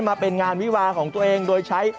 มาเป็นงานวิวาของตัวเองโดยใช้